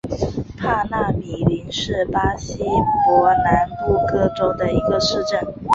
帕纳米林是巴西伯南布哥州的一个市镇。